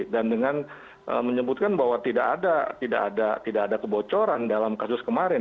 dan dengan menyebutkan bahwa tidak ada kebocoran dalam kasus kemarin